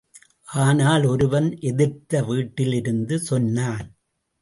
ஆனால் ஒருவன் எதிர்த்த வீட்டிலிருந்து சொன்னான்.